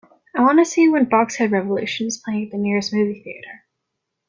I want to see when Box Head Revolution is playing at the nearest movie theatre